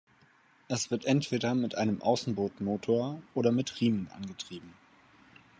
Es wird entweder mit einem Außenbordmotor oder mit Riemen angetrieben.